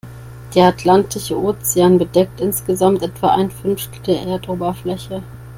Der Atlantische Ozean bedeckt insgesamt etwa ein Fünftel der Erdoberfläche.